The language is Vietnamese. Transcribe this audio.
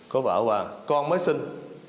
có vợ và con mới sinh